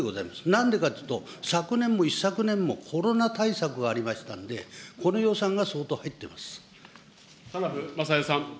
なんでかというと、昨年も一昨年もコロナ対策がありましたので、この予算が相当入っています。